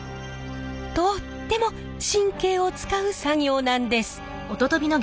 とっても神経を遣う作業なんです。